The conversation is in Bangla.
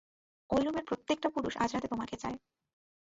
ঐ রুমের প্রত্যেকটা পুরুষ আজ রাতে তোমাকে চায়।